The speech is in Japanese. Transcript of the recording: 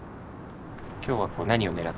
今日はこう何を狙ってる。